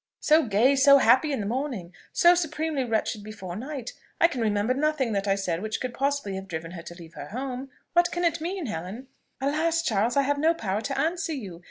So gay, so happy in the morning! so supremely wretched before night! I can remember nothing that I said which could possibly have driven her to leave her home. What can it mean, Helen?" "Alas! Charles, I have no power to answer you.